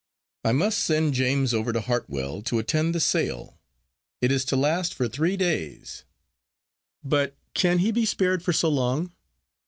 I must send James over to Hartwell to attend the sale. It is to last for three days." "But can he be spared for so long?"